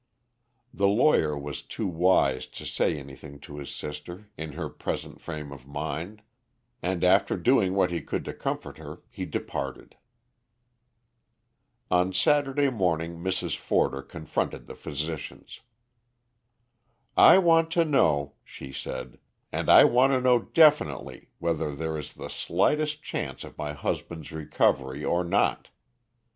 The lawyer was too wise to say anything to his sister in her present frame of mind, and after doing what he could to comfort her he departed. On Saturday morning Mrs. Forder confronted the physicians. "I want to know," she said, "and I want to know definitely, whether there is the slightest chance of my husband's recovery or not.